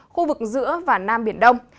khu vực giữa và nam biển đông